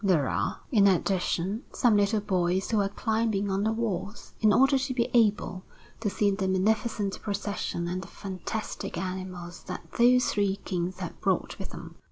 There are, in addition, some little boys who are climbing on the walls, in order to be able to see the magnificent procession and the fantastic animals that those three Kings have brought with them.